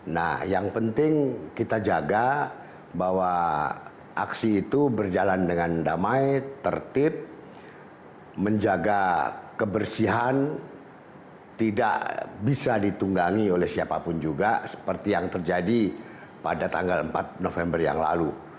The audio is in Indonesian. nah yang penting kita jaga bahwa aksi itu berjalan dengan damai tertib menjaga kebersihan tidak bisa ditunggangi oleh siapapun juga seperti yang terjadi pada tanggal empat november yang lalu